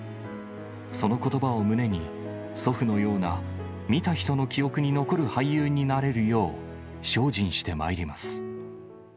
そのことばを胸に、祖父のような見た人の記憶に残る俳優になれるよう、精進してまいります。